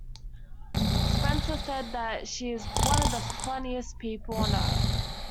Spencer said that she is "one of the funniest people on Earth".